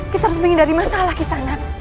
kita harus menghindari masalah kisana